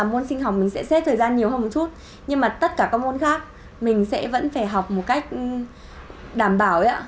môn sinh học mình sẽ xếp thời gian nhiều hơn một chút nhưng mà tất cả các môn khác mình sẽ vẫn phải học một cách đảm bảo